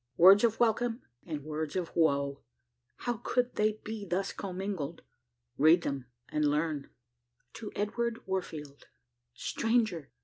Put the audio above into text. Words of welcome, and words of woe! how could they be thus commingled? Read them, and learn: "To Edward Warfield, "Stranger!